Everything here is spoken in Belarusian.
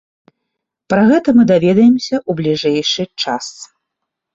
Пра гэта мы даведаемся ў бліжэйшы час.